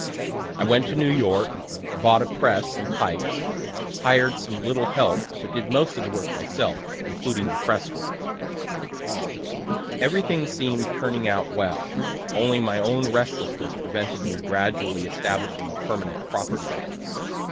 I went to New York, bought a press and types, hired some little help, but did most of the work myself, including the press work. Everything seem'd turning out well; (only my own restlessness prevented me gradually establishing a permanent property there.)